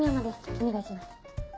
お願いします。